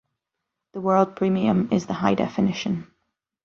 The World Premium is the high definition.